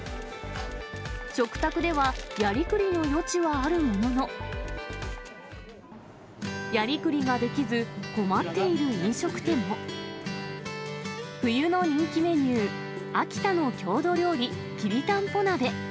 食卓ではやりくりの余地はあるものの、やりくりができず、冬の人気メニュー、秋田の郷土料理、きりたんぽ鍋。